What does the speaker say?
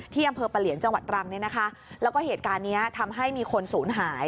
ที่อำเภอปะเหลียนจังหวัดตรังเนี่ยนะคะแล้วก็เหตุการณ์นี้ทำให้มีคนศูนย์หาย